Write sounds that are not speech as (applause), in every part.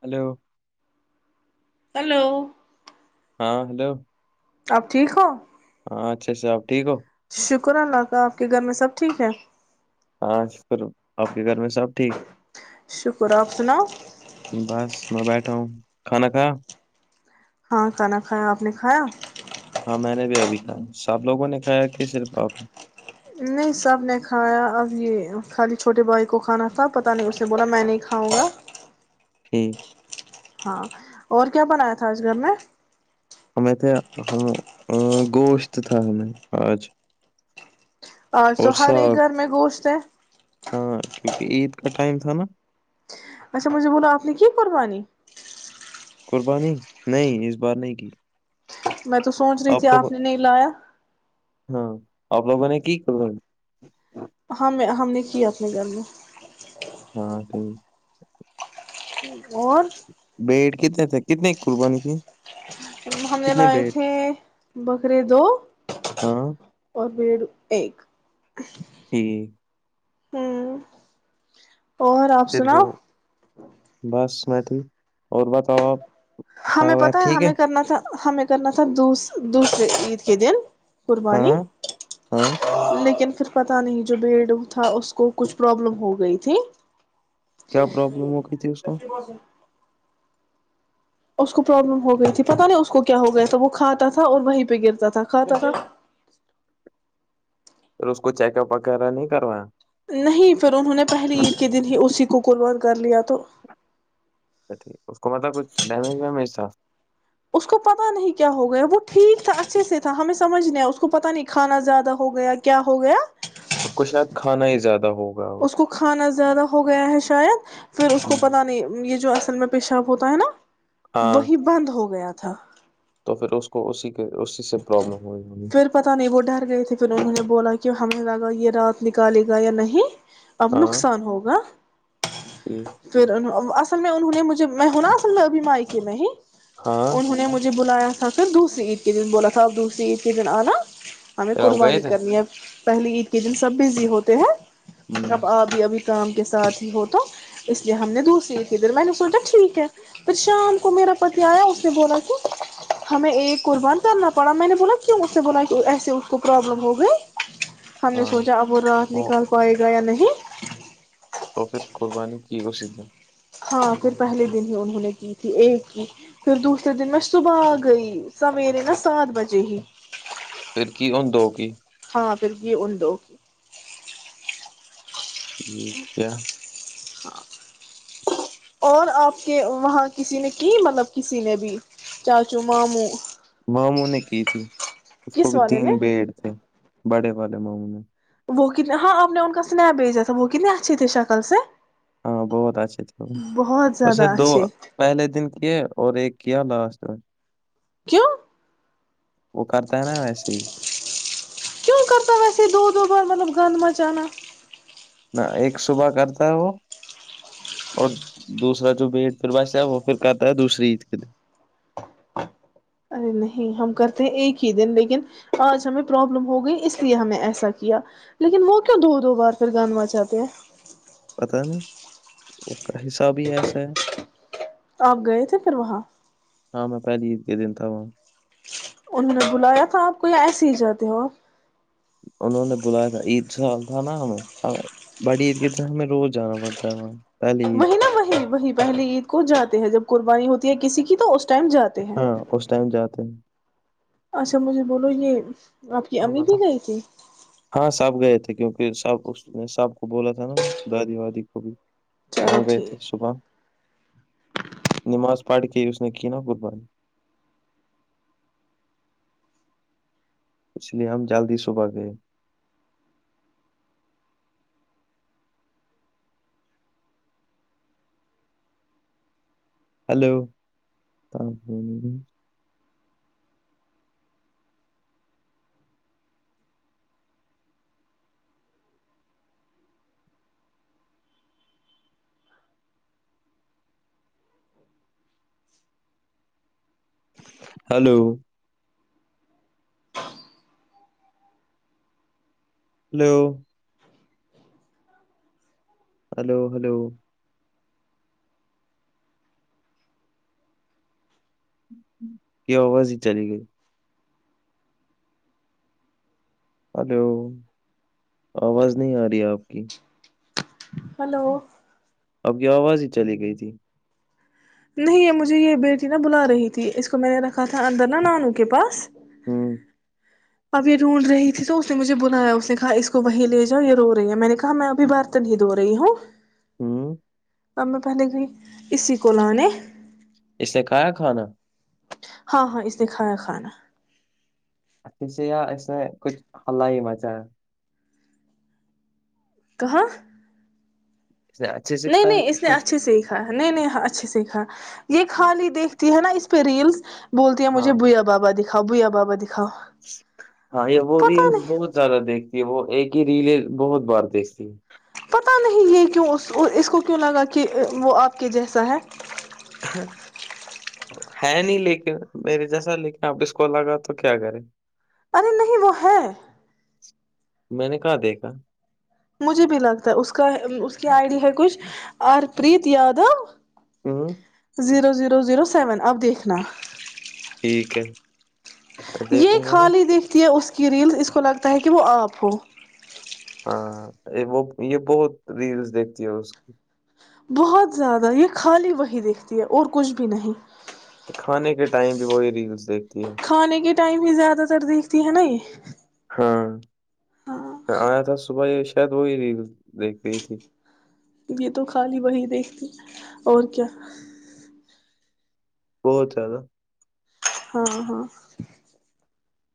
Hello hello ہاں hello آپ ٹھیک ہو ہاں اچھے سے اپ ٹھیک ہو شکر اللہ کا آپ کے گھر میں سب ٹھیک ہے ہاں آپ کے گھر میں سب ٹھیک شکر آپ سناؤ بس میں بیٹھا ہوں کھانا کھایا ہاں کھانا کھایا آپ نے کھایا ہاں میں نے بھی ابھی کھایا سب لوگوں نے کھایا کہ صرف آاپ ہے نہیں سب نے کھایا اب یہ خالی چھوٹے بھائی کو کھانا تھا پتہ نہیں اسے بولا میں نہیں کھاؤں گا ہو ہاں اور کیا بنایا تھا آج گھر میں ہمیں تھا ہاں گوشت تھا ہمیں اج اور توہر ایک گھر میں گوشت ہے ہاں کیونکہ عید کا ٹائم تھا نا اچھا مجھے بولو اپ نے کی قربانی قربانی نہیں اس بار نہیں کی میں تو سوچ رہی تھی آپ نے نہیں لایا ہاں اپ لوگوں نے کی قربانی کہ اپنے گھر میں ہاں ٹھیک اور بیٹ کتنا تھا کتنے قربانی کی ہم نے کتنے لائے بیٹ تھے بکرے دو ہاں اور بھیڑ ایک جی ہوں اور آپ پھر سناؤ وہ بس میں تھی اور بتاؤ آپ ہمیں پتا ہے ہمیں کرنا تھا ہمیں کرنا تھا دوس دوسرے عید کے دن قربانی ہاں ہاں لیکن پتہ نہیں جو بیڈ تھا اس کو کچھ پرابلم ہو گئی تھی کیا جیسے پرابلم ہو گئی تھی اس کو اچھی بات ہے اس کو پرابلم ہوگ گئی تھی پتہ نہیں اس کو کیا ہو گیا تو وہ کھاتا تھا اور وہیں پہ گرتا تھا کھاتا تھا پھر اس کو چیک اپ وغیرہ نہیں کروایں نہیں پھر انہوں نے پہلی عید کے دن ہی اسی کوکربان کر لیا تو اچھا ٹھیک اس کو مطلب کچھ ڈیمیج ویمیج تھا اس کو پتا نہیں کیا ہو گیا وہ ٹھیک تھا اچھے سے تھا ہمیں سمجھ نہیں آ اس کو پتا نہیں کھانا زیادہ ہو گیا کیا ہو گیا اس کو شاید کھانا ہی زیادہ ہو اس کو کھانا زیادہ ہو گیا ہے شاید پھر اس کو پتہ نہیں یہ جو اصل میں پیشاب ہوتا ہے نا ہاں وہی بند ہو گیا تھا اچ تھا تو پھر اس کو اسی کے اسی سے پرابلم ہوئی ہوگی پھر پتا نہیں وہ ڈر گئے تھے پھر انہوں نے بولا کہ ہمیں لگا یہ رات نکالے گا یا نہیں اب ہاں نقصان ہوگا ٹھیک پھر اصل میں انہوں نے مجھے میں ہوںا اصل میں ابھی مائی کے میں نہیں ہاں ہی انہوں نے مجھے بلایا س تھا کرر دوسریید ک دن بولا تھا اب دوسری ک دن آنا ہمیں پھر آپ گئے قربانی تھے کرنی ہے پہلی عید کے دن سب بزی ہوتے ہیں ہوں، اب آبھی ابھی کام کے ساتھ ہی ہو تو اس لیے ہم نے دوسری تھی در میں نے سو ٹھیک ہے پھر شام کو میرا پتی آیا اس نے بولا کہ ہمیں ایک قربان کرنا پڑا میں نے بولا کیوں اس سے بولا ایسے اس کو پرابلم ہو گئی ہم نے ہاں سوچا اب وہ رات نکل پائے گا یا نہیں (unintelligible) ا پھر قوربانی کی گش د ہیں ہاں پھر پہلے دن ہی انہوں نے کی تھی ایک کی پھر دوسرے دن میں صبح آ گئی سویرے نا سات بجے ہی پرکی ان دو کی سر کیے اڈوکے ٹھ ہے اور آپ کے وہاں کسی نے کی مطلب کسی نے بھی چاچو ماموں ماموں نے کی تھی اس کو کس بھی والے تین نے بیڑ تھے بڑے والے ماموں میں وہ کت ہاں آپ نے ان کا سنیپ بھیجا تھا وہ کتنی اچھی تھی شکل سے ہاں بہت اچھے تھے وہ بہت اسے زیادہ دو اچھے پہلے دن کیے اور ایک کیایا لاسٹ کیوں وہ کرتا ہے نا ویسے ہی کیوں کرتا ویسے دو دو بار مطلب گند مچانا نہ ایک صبح کرتا وہ اور دوسرا جو بٹ پھر باش ہے وہ پھر کہتا ہے دوسری عید کے دن ارے نہیں ہم کرتے ہیں ایک ہی دن لیکن آج ہمیں پرابلم ہو گئی اس لیے ہمیں ایسا کیا لیکن وہ کیوں دو دو بار پھر گانوا چاتتے ہیں پتا ہے نہیں کا حساب ہی ایسا ہے آپ گئے تھے پھر وہاں ہاں میں پہلی عید کے دینتا ہوں انہوں نے بلایا تھا آپ کوئی ایسے ہی جاتے ہو آپ انہوں نے بلایا تھا عید سال تھا نا ہمیں بڑی عید کے س ہمیں روز جانا پڑتا ہے پہلی عید وہی نا وہی وہی پہلے عید کو جاتے ہیں جب قربانی ہوتی ہے کسی کی تو اس ٹائم جاتے ہیں ہاں اس ٹائم جاتے ہیں اچھا مجھے بولو یہ آپ کی ہاں امی بھی بتاؤ گئی تھی ہاں سب گئے تھے کیونکہ صاح اس نے صاب کو بولا تھا نا دادی وادی کو بھی چلو گئے تھے ٹھیک صبح نماز پڑھ کے اس نے کی نا گڈ بارگ اس لیے ہم جلد ہی صبح گئے hello hello hello hello hello کی آواز ہی چلی گئی ہلو آواز نہیں آ رہی آپ کی ہلو اب کی آواز ہی چلی گئی تھی نہیں مجھے یہ بیٹی نہا بلا رہی تھی اس کو میں نے رکھا تھا اندر نہا نانو کے پاس ہوں اب یہ ڈھونڈ رہی تھی تو اس نے مجھے بلایا اس نے کہا اس کو وہی لے جاؤ یہ رو رہی ہے میں نے کہا میں ابھی برتن ہی دو رہی ہوں ہوں ا میں پہلے گ اسی کولا نے اس نے کھایا کھانا ہاں ہاں اس نے کھایا کھانا اچھھی سے یا اس نے کچھ ہلہ ہی مچا ہے کہاںاں نے اچھے سے نہیں کھایا نہیں کہ اس نے کچھ اچھے سیکھا نہیں نہیں ہاں اچھے سیکھا یہ خالی دیکھتی ہے نا اس ف ریلس بولتی ہیں ہاں مجےھویا بابا دیک کھوی آ بابا دکھاؤ ہاں یہ وہ پتا ریلس نہیں بہت زیادہ دیکھتی ہے وہ ایک کہ ریلے بہت بار دیکھتی پت نہیں یہ کیوں اس کو کیوں لگا کہ وہ آپ کے جیسا ہے ہے نہیں لیکن میرے جیسا لیکن آپ اس کو لگا تو کیا کریں ارے نہیں وہ ہے میں نے کہاں دیکھا مجھے بھی لگتا ہے اس کا اس کی آئی ڈی ہے کچھ ہرپریت یادو ہوں زیرو زیرو زیرو سیون اب دیکھنا ٹھیک ہے میں یہ دیکھوں گا نا خالی دیکھتی ہے اس کے کی ریلز اس کو لگتا ہے کہ وہ آپ ہو ہاں وہ یہ بہت ریلس دیکھتی ہے اس کی بہت زیادہ یہ خالی وہی دیکھتی ہے اور کچھ بھی نہیں کھانے کے ٹائم بھی وہی ریلس دیکھ کھانے کے ٹائم بھی زیادہ تر دیکھتی ہے نا یہ ج (unintelligible) ہاں میں آیا تھا صبح ہی شاید وہی ریل دیکھ رہی تھی یہ تو خالی وہی دیکھتی اور کیا بہت زیادہ ہاں ہاں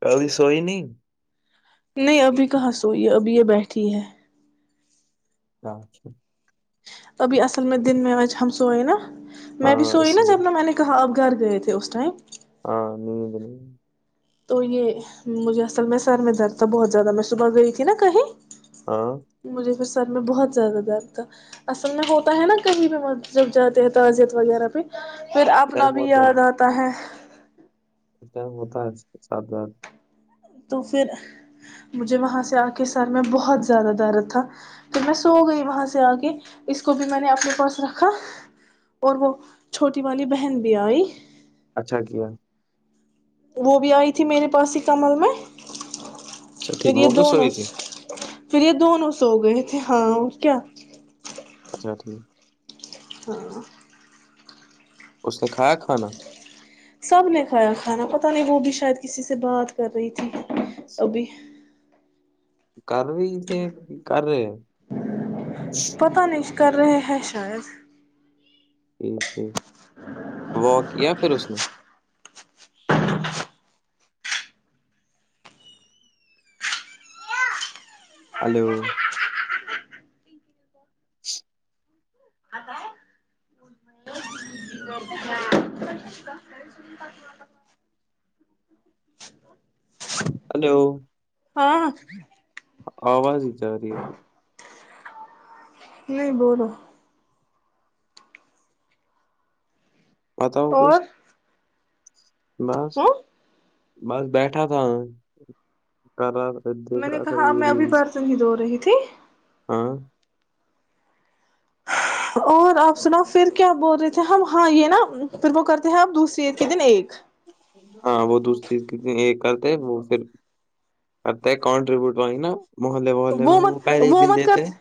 کلی سوئی نہیں نہیں ابھی کہاں سوئی ہے ابھی یہ بیٹھی ہے اچھا ابھی اصل میں دن میں آج ہم سوئے نا میں بھی ہاں سوئی اس نا لیے جبنا میں نے کہاب گھر گئے تھے اس ٹائم ہاں ند نہیں تو یہ مجھے اصل میں سر میں درد تھا بہت زیادہ میں صبح گئی تھی نا کہیں ہاں مجھے ک ال میں بہت زیادہ درد تھا اصل میں ہوتا ہے نا کبھی بھی جب جاتے ہیں تعزیت وغیرہ پہ پھر ٹائم اپنا بھی ہوتا ہے یاد آتا ہے اس ٹائم ہوتا ہے اس کے ساتھ بد تو پھر مجھے وہاں سے آ کے سر میں بہت زیادہ درد تھا پھر میں سو گئی وہاں سے آ کے اس کو بھی میں نے اپنے پرس رکھا اور وہ چھوٹی والی بہن بھی آئی اچھا کیا وہ بھی آئی تھی میرے پاس ہی کمل میں اچھا ٹھیک پھر یہ وہ بھی دون سوئی اس تھی پھر یہ دون اس سو گئے تھے ہاں اور کیا اچھا ٹھیک تو (unintelligible) اس نے کھایا کھانا سب نے کھایا کھانا پتا نہیں وہ بھی شاید کسی سے بات کر رہی تھی توبھی کر رہی تھے کر رہے پتا نہیں کر رہے ہیں شاید ٹ ٹ (unintelligible) وہ کیا پھر اس نے ہلو ہلو ہاں ہاں آواز ہی جا رہی ہے کود نہیں بولو پتہ ہوکس اور بض ہ (unintelligible) بس بیٹھا تھا کر تھا میں دیکھ نے رہا تھا کہا یہ میں ابھی ریلس برت نہیں د رہی تھی ہاں اور آپ سنا پھر کیا بول رہے تھے ہم ہاں یہ نا پھر وہ کرتے ہیں آپ دوسری عید کے دن ایک ہاں وہ دوسری چیز کی ایک وہ پھر کرتے ہے کانٹریبیوٹ وہ نا محلے محلے وہ میں مت پہلے ہی وہ دن مت کر دیتے ہیں۔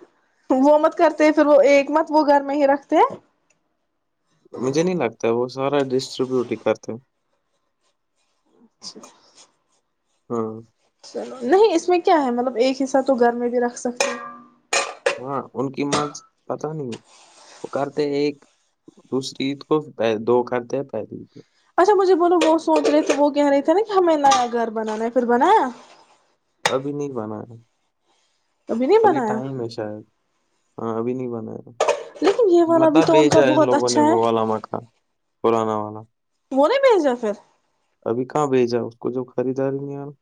وہ مت کرتے پھر وہ ایک مت وہ گھر میں ہی رکھتے ہیں مجھے نہیں لگتا وہ سارا ڈسٹریبیوٹ ہی کرتے اچھا ہاں چلو نہیں اس میں کیا ہے مطلب ایک ہیسہ تو گھر میں بھی رکھ سکتے ہاں ان کی مرض پتا نہیں ہو وہ کرتے ایک دوسری عید کو دو کرتے پہلی عید کو اچھا مجھے بولو وہ سوچ رہے تھے وہ کہہ رہے تھے نا کہ ہمیں نیا گھر بنانا ہے پھر بنایا ابھی نہیں بنایا نہیں ابھی بنایا ٹائم ہے شاید ہاں ابھی نہیں بنا ہے لیکن یہ والا مت بھی تو کا بھیجا ان بہت لوگوں نے اچھا ہے وہ واللامہ کہا پرانا والا وہ نے بھیجا پھر ابھی کہاں بھیجا اس کو جو خریدا رہی ہیں آپ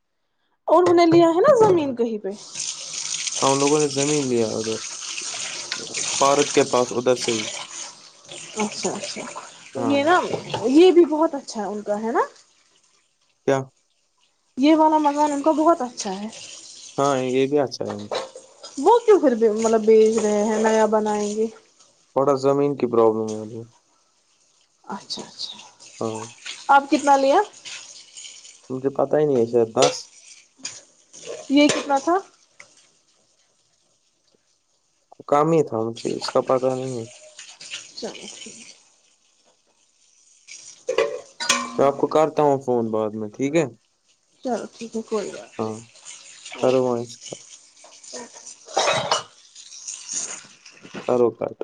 انہوں نے لیا ہے نا زمین کہیں پہ ہم لوگوں نے زمین لیا ادھر پارک کے پاس ادھر سے ہی اچھا اچھا تو م ہاں دم یہ بھی بہت اچھا ہے ان کا ہے نا کیا یہ والا مکان ان کو بہت اچھا ہے ہاں یہ بھی اچھا ہے ان کو وہ کیوں پھر مطلب بیچ رہے ہیں نیا بنائیں گے بڑا زمین کی پرابلم ہے ابھی اچھا اچھا ہاں آپ کتنا لیا ت سے پاتائی نہیں ایسے دس یہ کتنا تھا کام ہی تھا مجھے اس کا پتاہ نہیں ہے چلے ٹھیک ہے میں آپ کو کرتا ہوں فون بعد میں ٹھیک ہے چلو ٹھیک ہے کوئی بات ہاں نہیں کرو وہاں اس کا، اوکے ا (unintelligible) کرو پات